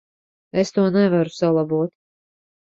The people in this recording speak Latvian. Es to nevaru salabot.